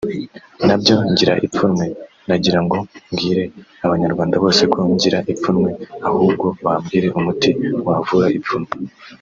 nabyo ngira ipfunwe nagirango mbwire abanyarwanda bose ko ngira ipfunwe ahubwo bambwire umuti wavura ipfunwe”